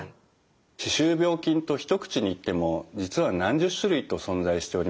歯周病菌と一口に言っても実は何十種類と存在しております。